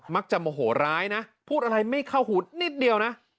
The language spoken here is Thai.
มักจะโมโหร้ร้ายพูดอะไรไม่เข้าหุนะคะ